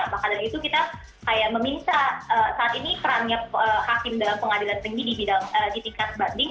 oleh karena itu kita meminta saat ini perannya hakim dalam pengadilan tinggi di bidang di tingkat banding